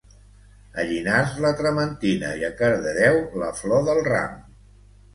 a Llinars la trementina i a Cardedeu la flor del ram